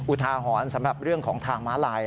อุทาหรณ์สำหรับเรื่องของทางม้าลาย